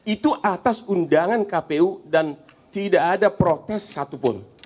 itu atas undangan kpu dan tidak ada protes satupun